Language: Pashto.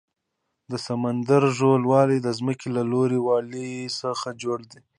د سمندر ژور والی د ځمکې له لوړ والي څخه ډېر ده.